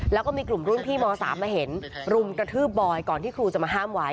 แล้วก็มีกลุ่มรุ่นพี่ม๓มาเห็นรุมกระทืบบอยก่อนที่ครูจะมาห้ามไว้